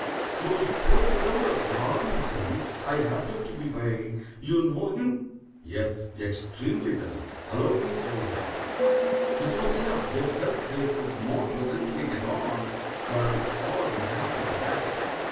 You spoke aloud of ROBINSON—I happened to be by. You know him?" "Yes, extremely well." "Allow me, so do I." It was enough: they felt they could more pleasantly get on, For (ah, the magic of the fact!)